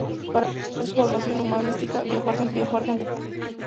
Para completar su formación humanística, viajó a Argentina y España.